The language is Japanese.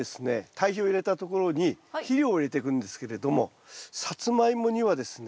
堆肥を入れたところに肥料を入れていくんですけれどもサツマイモにはですね